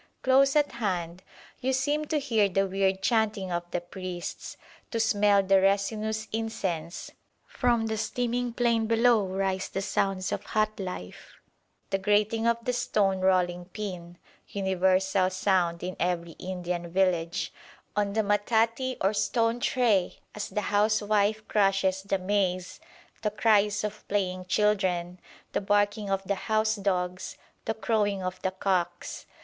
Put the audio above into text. Close at hand you seem to hear the weird chanting of the priests, to smell the resinous incense; from the steaming plain below rise the sounds of hut life, the grating of the stone rolling pin (universal sound in every Indian village) on the metate or stone tray as the housewife crushes the maize, the cries of playing children, the barking of the housedogs, the crowing of the cocks.